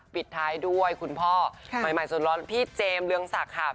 ปิดท้ายด้วยคุณพ่อใหม่ส่วนร้อนพี่เจมส์เรืองศักดิ์ค่ะ